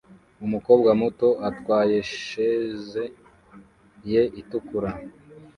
Umukobwa muto atwayesheze ye itukura